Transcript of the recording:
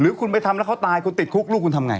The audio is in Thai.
คุณไปทำแล้วเขาตายคุณติดคุกลูกคุณทำไง